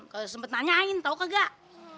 kalau sempat nanyain tau gak